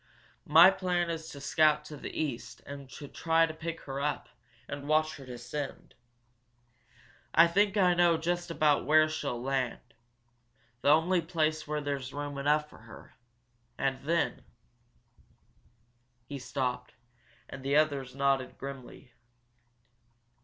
My plan is to scout to the east and try to pick her up and watch her descend. I think I know just about where she'll land the only place where there's room enough for her. And then " He stopped, and the others nodded, grimly.